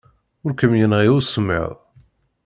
Ur kem-yenɣi usemmiḍ.